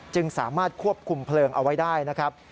จึงสามารถควบคุมเพลิงเอาไว้ได้นะครับ